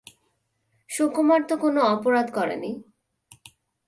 সুকুমার তো কোনো অপরাধ করে নি।